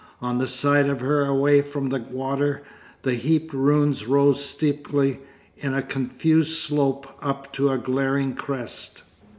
On the side of her away from the water the heaped ruins rose steeply in a confused slope up to a glaring crest.